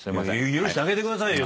許してあげてくださいよ